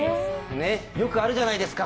よくあるじゃないですか。